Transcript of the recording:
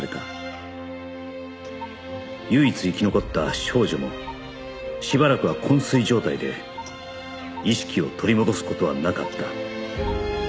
唯一生き残った少女もしばらくは昏睡状態で意識を取り戻す事はなかった